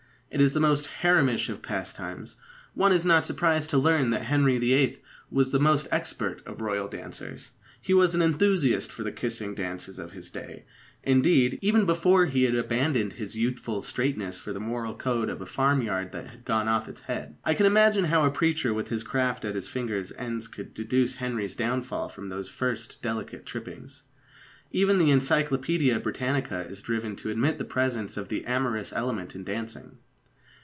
It is the most haremish of pastimes. One is not surprised to learn that Henry VIII was the most expert of royal dancers. He was an enthusiast for the kissing dances of his day, indeed, even before he had abandoned his youthful straitness for the moral code of a farmyard that had gone off its head. I can imagine how a preacher with his craft at his fingers' ends could deduce Henry's downfall from those first delicate trippings. Even the Encyclopædia Britannica is driven to admit the presence of the amorous element in dancing.